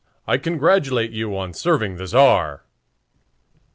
I congratulate you on 'serving the Tzar!'"